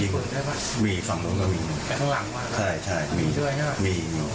ดีกว่ามีฝั่งตรงนั้นก็มีแต่ข้างหลังใช่ใช่มีด้วยใช่ปะมี